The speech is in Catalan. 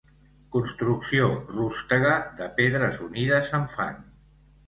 Construcció rústega de pedres unides amb fang.